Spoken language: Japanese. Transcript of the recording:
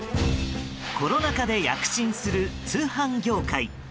コロナ禍で躍進する通販業界。